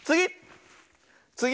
つぎ！